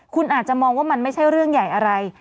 คุณอาจจะมองว่ามันไม่ใช่เรื่องใหญ่อะไร